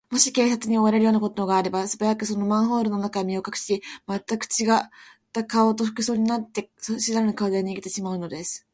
もし警官に追われるようなことがあれば、すばやく、そのマンホールの中へ身をかくし、まったくちがった顔と服装とになって、そしらぬ顔で逃げてしまうのです。